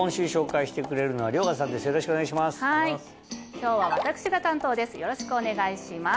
今日は私が担当です